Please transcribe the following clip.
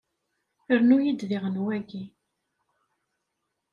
Rnu-iyi-d diɣen wagi.